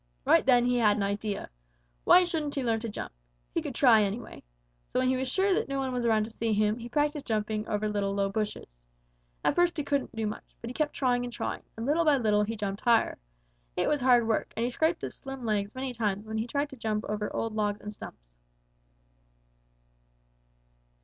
Right then he had an idea. Why shouldn't he learn to jump? He could try, anyway. So when he was sure that no one was around to see him, he practised jumping over little low bushes. At first he couldn't do much, but he kept trying and trying, and little by little he jumped higher. It was hard work, and he scraped his slim legs many times when he tried to jump over old logs and stumps.